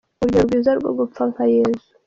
Urugero rwiza rwo gupfa nka Yezu